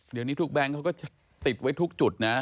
เดี๋ยวนี้ทุกแบงค์เขาก็ติดไว้ทุกจุดนะ